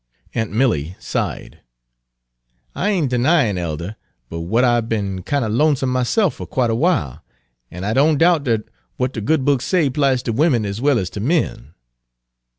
Aunt Milly sighed. "I ain't denyin', elder, but what I've be'n kinder lonesome myself for quite a w'ile, an' I doan doubt dat w'at de Good Book say 'plies ter women as well as ter men."